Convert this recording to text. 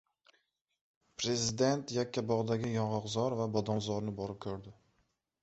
Prezident Yakkabog‘dagi yong‘oqzor va bodomzorni borib ko‘rdi